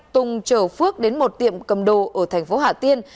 tùng chở phước đến một tiệm cầm đồ ở thành phố hà tiên